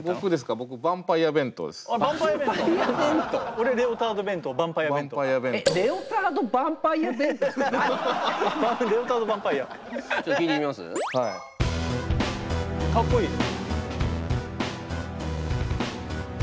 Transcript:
かっこいい！